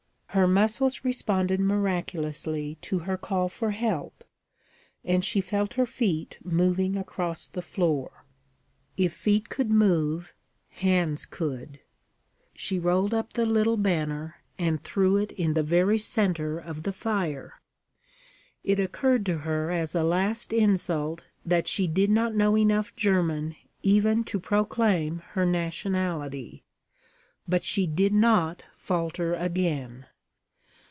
Her muscles responded miraculously to her call for help, and she felt her feet moving across the floor. If feet could move, hands could. She rolled up the little banner and threw it in the very centre of the fire. It occurred to her as a last insult that she did not know enough German even to proclaim her nationality; but she did not falter again.